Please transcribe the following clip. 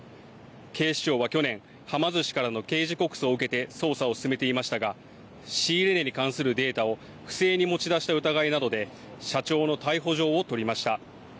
警視庁は去年、はま寿司からの刑事告訴を受けて捜査を進めていましたが仕入れ値に関するデータを不正に持ち出した疑いなどで社長の逮捕状を取りました。